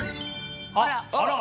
あら！